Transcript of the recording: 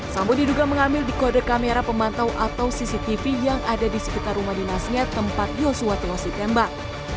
sambo diduga mengambil di kode kamera pemantau atau cctv yang ada di sekitar rumah dinasnya tempat yosua tewas ditembak